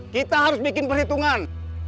kita harus bikin perhitungan